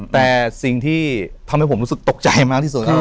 แต่สิ่งที่ทำให้ผมรู้สึกตกใจมากที่สุด